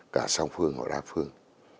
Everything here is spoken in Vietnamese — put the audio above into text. cả song phương và ra phương